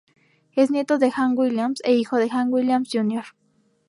Es nieto de Hank Williams e hijo de Hank Williams Jr.